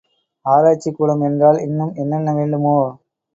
ஆராய்ச்சிக்கூடம் என்றால் இன்னும் என்னென்ன வேண்டுமோ?